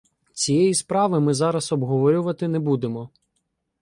Цієї справи ми зараз обговорювати не будемо.